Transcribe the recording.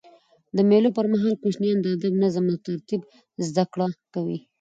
د مېلو پر مهال کوچنيان د ادب، نظم او ترتیب زدهکړه کوي.